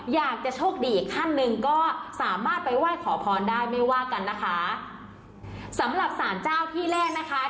อยากจะโชคดีอีกขั้นหนึ่งก็สามารถไปไหว้ขอพรได้ไม่ว่ากันนะคะสำหรับสารเจ้าที่แรกนะคะ